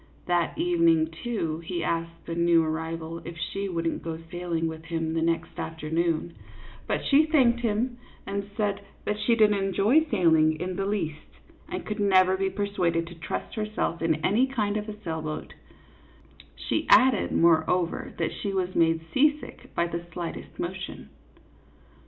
That evening, too, he asked the new arrival if she wouldn't go sailing with him the next afternoon ; but she thanked him and said that she did n't enjoy sailing in the least, and could never be persuaded to trust herself in any kind of a sailboat ; she added, moreover, that she was made seasick by the slightest motion.